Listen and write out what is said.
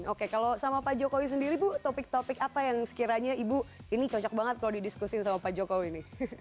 oke kalau sama pak jokowi sendiri bu topik topik apa yang sekiranya ibu ini cocok banget kalau didiskusiin sama pak jokowi ini